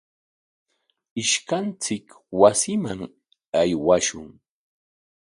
Ishkanchik wasiman aywashun.